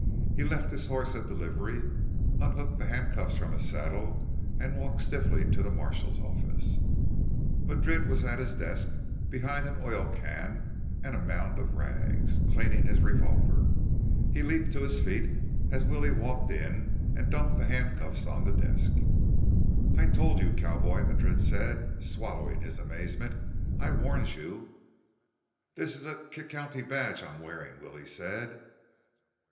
He left his horse at the livery, unhooked the handcuffs from his saddle and walked stiffly to the marshal's office. Madrid was at his desk behind an oil can and a mound of rags, cleaning his revolver. He leaped to his feet as Willie walked in and dumped the handcuffs on the desk. "I told you, cowboy," Madrid said, swallowing his amazement. "I warned you." "This is a c c county badge I'm wearing," Willie said.